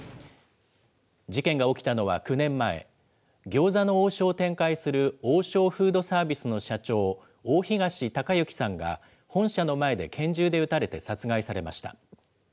事件が起きたのは９年前、餃子の王将を展開する王将フードサービスの社長、大東隆行さんが本社の前で拳銃で撃たれて殺害されました。